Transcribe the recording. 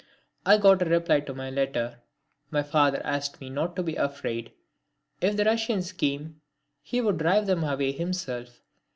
I got a reply to my letter. My father asked me not to be afraid; if the Russians came he would drive them away himself.